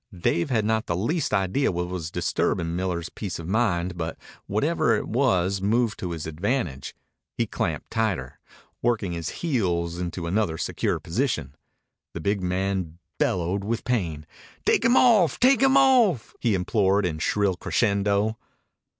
Dave had not the least idea what was disturbing Miller's peace of mind, but whatever it was moved to his advantage. He clamped tighter, working his heels into another secure position. The big man bellowed with pain. "Take him off! Take him off!" he implored in shrill crescendo.